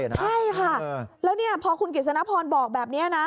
ใช่ค่ะแล้วพอคุณกิจสนพรบอกแบบนี้นะ